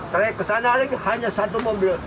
traik ke sana lagi hanya satu mobil